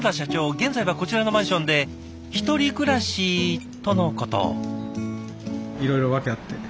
現在はこちらのマンションで１人暮らしとのこと。